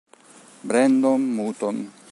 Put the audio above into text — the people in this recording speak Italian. Brandon Mouton